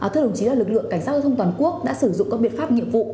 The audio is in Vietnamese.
thưa đồng chí lực lượng cảnh sát giao thông toàn quốc đã sử dụng các biện pháp nhiệm vụ